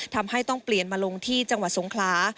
ทำให้ต้องเปลี่ยนมาลงที่จังหวัดสงขลา